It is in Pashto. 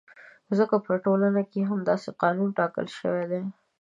ځکه په ټولنه کې یې همداسې قانون ټاکل شوی دی.